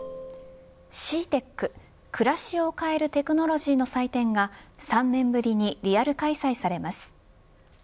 ＣＥＡＴＥＣ、暮らしを変えるテクノロジーの祭典が３年ぶりにリアル開催されます。